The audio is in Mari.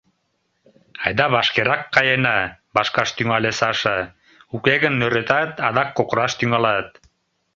— Айда вашкерак каена, — вашкаш тӱҥале Саша, — уке гын нӧретат, адак кокыраш тӱҥалат.